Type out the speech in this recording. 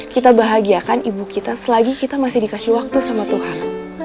kita bahagiakan ibu kita selagi kita masih dikasih waktu sama tuhan